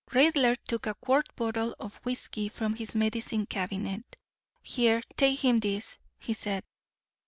Raidler took a quart bottle of whisky from his medicine cabinet. "Here, take him this," he said.